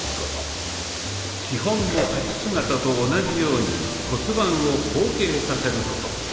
基本の立ち姿と同じように骨盤を後傾させること。